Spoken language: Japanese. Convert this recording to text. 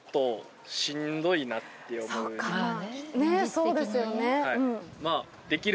そうですよね。